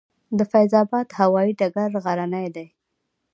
د فیض اباد هوايي ډګر غرنی دی